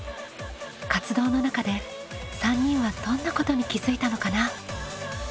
活動の中で３人はどんなことに気づいたのかな？